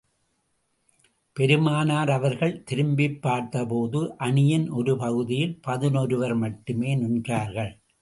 பெருமானார் அவர்கள் திரும்பிப் பார்த்த போது, அணியின் ஒரு பகுதியில் பதினொருவர் மட்டுமே நின்றார்கள்.